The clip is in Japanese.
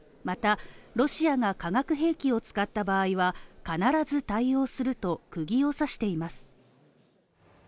また、ロシアが化学兵器を使った場合は必ず対応すると、くぎを刺しています。